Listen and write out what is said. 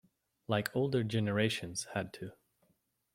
Like older generations had to.